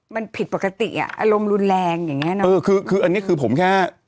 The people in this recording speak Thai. มันผิดปกติอ่ะอารมณ์รุนแรงอย่างเงี้เนอะเออคือคืออันนี้คือผมแค่